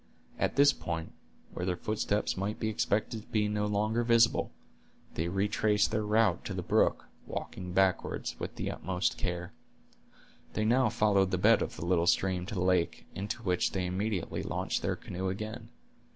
At this point, where their footsteps might be expected to be no longer visible, they retraced their route to the brook, walking backward, with the utmost care. They now followed the bed of the little stream to the lake, into which they immediately launched their canoe again.